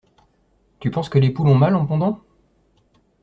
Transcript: Tu penses que les poules ont mal en pondant?